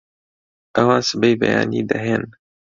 ئەوان سبەی بەیانی دەهێن